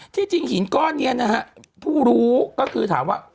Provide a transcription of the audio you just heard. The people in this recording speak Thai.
ที่จริงหินก้อนนี้นะฮะผู้รู้ก็คือถามว่า